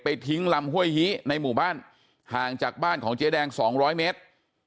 ทิ้งลำห้วยฮิในหมู่บ้านห่างจากบ้านของเจ๊แดง๒๐๐เมตร